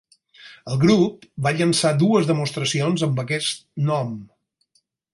El grup va llançar dues demostracions amb aquest nom.